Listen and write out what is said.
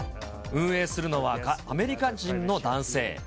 運営するのは、アメリカ人の男性。